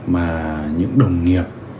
mà những đồng nghiệp